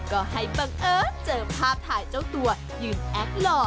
ก็ให้บังเอิญเจอภาพถ่ายเจ้าตัวยืนแอคหล่อ